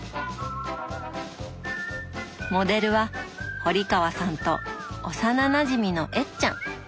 モデルは堀川さんと幼なじみの「えっちゃん」。